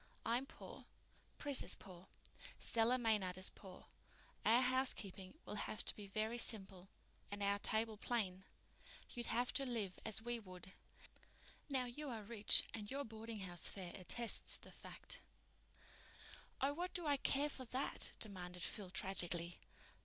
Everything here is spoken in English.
I'm poor—Pris is poor—Stella Maynard is poor—our housekeeping will have to be very simple and our table plain. You'd have to live as we would. Now, you are rich and your boardinghouse fare attests the fact." "Oh, what do I care for that?" demanded Phil tragically.